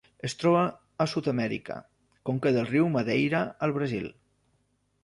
Es troba a Sud-amèrica: conca del riu Madeira al Brasil.